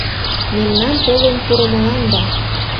Мемнан толын пурымылан да